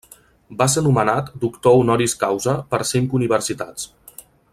Va ser nomenat doctor honoris causa per cinc universitats.